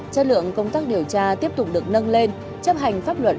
chất lượng công tác điều tra tiếp tục được nâng lên chấp hành pháp luật